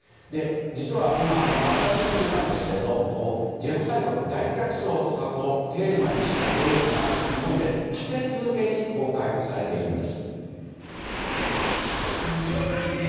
実は今、夏休み中なんですがジェノサイドって大虐殺をテーマにした映画が日本で立て続けに公開されているんです。